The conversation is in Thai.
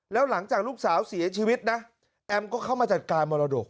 แล้วหลังจากลูกสาวเสียชีวิตนะแอมก็เข้ามาจัดการมรดก